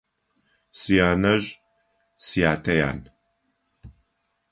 Сянэжъ сятэ ян.